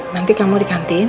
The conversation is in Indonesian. nanti kamu di kantin